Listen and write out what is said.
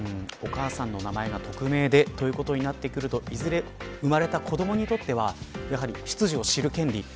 お母さんの名前が匿名でということになるといずれ生まれた子どもにとっては出自を知る権利